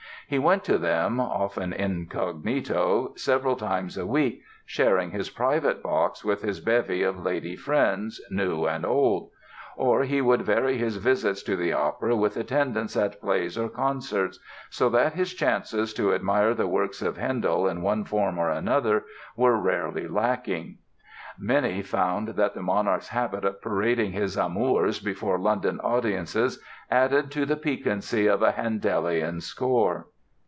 He went to them, often incognito, several times a week sharing his private box with his bevy of lady friends, new and old; or he would vary his visits to the opera with attendance at plays or concerts, so that his chances to admire the works of Handel, in one form or another, were rarely lacking. Many found that the monarch's habit of parading his amours before London audiences added to the piquancy of a Handelian score!